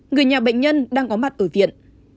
người nhà bệnh nhân đang có mặt ở viện